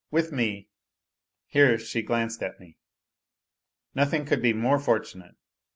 with me ... here she glanced at me. Nothing could be more fortunate